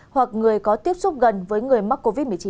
hoặc người có tiếp xúc gần với người mắc covid một mươi chín